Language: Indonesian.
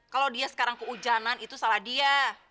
kalau dia sekarang kehujanan itu salah dia